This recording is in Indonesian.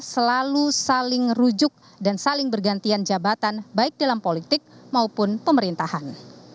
selalu saling rujuk dan saling bergantian jabatan baik dalam politik maupun pemerintahan